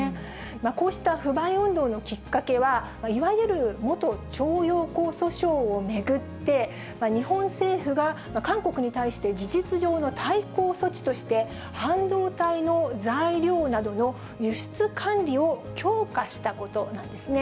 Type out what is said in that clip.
こうした不買運動のきっかけは、いわゆる元徴用工訴訟を巡って、日本政府が韓国に対して事実上の対抗措置として、半導体の材料などの輸出管理を強化したことなんですね。